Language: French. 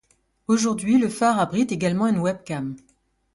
Aujourd'hui, le phare abrite également une webcam.